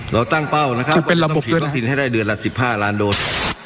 เราตั้งเป้านะครับเป็นระบบฉีดวัคซีนให้ได้เดือนละ๑๕ล้านโดส